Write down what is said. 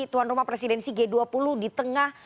tuan rumah presidensi g dua puluh di tengah